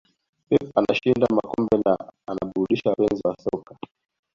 pep anashinda makombe na anaburudisha wapenzi wa soka